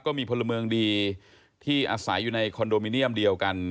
พลเมืองดีที่อาศัยอยู่ในคอนโดมิเนียมเดียวกัน